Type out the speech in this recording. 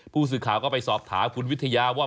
ผู้สื่อข่าวก็ไปสอบถามคุณวิทยาว่า